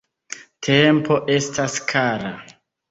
Tempo estas kara.